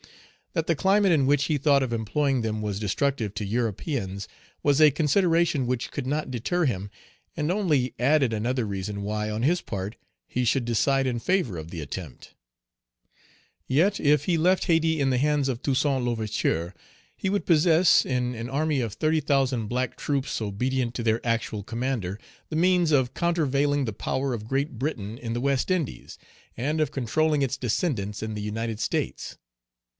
That the climate in which he thought of employing them was destructive to Europeans, was a consideration which could not deter him, and only added another reason why, on his part, he should decide in favor of the attempt. Yet, if he left Hayti in the hands of Toussaint L'Ouverture, he would possess, in an army of thirty thousand black troops obedient to their actual commander, the means of countervailing the power of Great Britain in the West Indies, and of controlling its descendants in the United States.